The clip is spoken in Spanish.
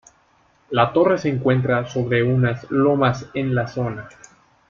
La torre se encuentra sobre unas lomas en la zona.